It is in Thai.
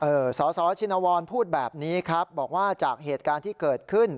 สสชินวรพูดแบบนี้ครับบอกว่าจากเหตุการณ์ที่เกิดขึ้น